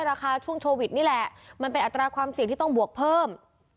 ราคาช่วงโควิดนี่แหละมันเป็นอัตราความเสี่ยงที่ต้องบวกเพิ่ม